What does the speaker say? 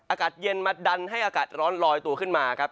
อากาศเย็นมาดันให้อากาศร้อนลอยตัวขึ้นมาครับ